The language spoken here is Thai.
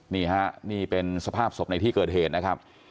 นี่ฮะนี่เป็นสภาพศพในที่เกิดเหตุนะครับ